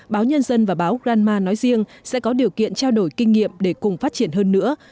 báo nhân dân và báo granma nói riêng sẽ có điều kiện trao đổi kinh nghiệm để cùng phát triển hơn nữa